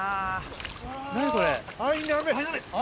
何これ。